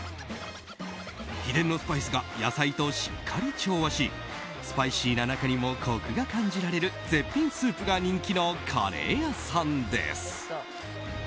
秘伝のスパイスが野菜としっかり調和しスパイシーな中にもコクが感じられる絶品スープが人気のカレー屋さんです。